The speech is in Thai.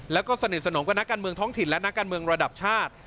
แล้วก็สนิทสนมกับนักการเมืองท้องถิ่นและนักการเมืองระดับชาติ